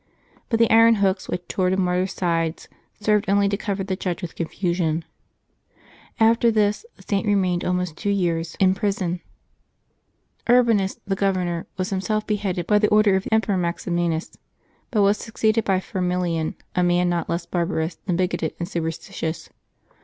But the iron hooks which tore the martjr^s sides served only to cover the judge with con fusion. After this, the Saint remained almost two years 202 LIVES OF THE SAINTS [June 2 in prison. Frbanns, the governor, was himself beheaded by an order of the Emperor Maximinus, but was suc ceeded by Firmilian, a man not less barbarous than bigoted and superstitious.